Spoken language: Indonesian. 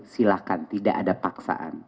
silahkan tidak ada paksaan